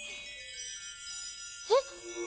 えっ？